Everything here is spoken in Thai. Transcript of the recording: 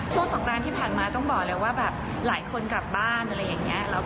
สงกรานที่ผ่านมาต้องบอกเลยว่าแบบหลายคนกลับบ้านอะไรอย่างนี้